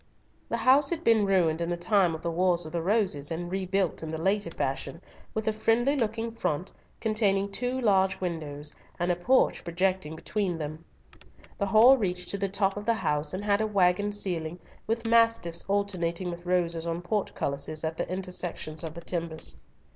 The house had been ruined in the time of the Wars of the Roses, and rebuilt in the later fashion, with a friendly looking front, containing two large windows, and a porch projecting between them. The hall reached to the top of the house, and had a waggon ceiling, with mastiffs alternating with roses on portcullises at the intersections of the timbers.